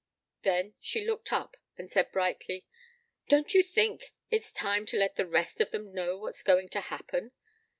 Then she looked up and said brightly: "Don't you think it's time to let the rest of them know what's going to happen?